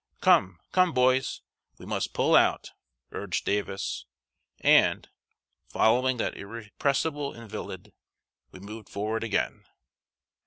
"Come, come, boys; we must pull out!" urged Davis; and, following that irrepressible invalid, we moved forward again.